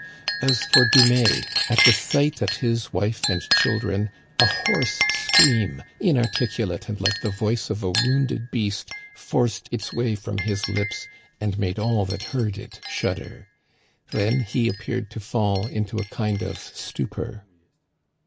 As for Dumais, at the sight of his wife and children, a hoarse scream, inarticulate and like the voice of a wounded beast, forced its way from his lips and made all that heard it shudder. Then he appeared to fall into a kind of stupor.